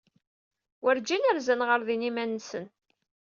Werǧin rzan ɣer din iman-nsen.